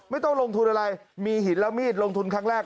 ไม่ต้องลงทุนอะไรมีหินแล้วมีดลงทุนครั้งแรก